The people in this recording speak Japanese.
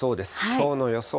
きょうの予想